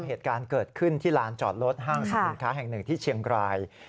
เหตุการณ์เกิดขึ้นที่ลานจอดรถห้างสรรพสินค้าแห่งหนึ่งที่เชียงราย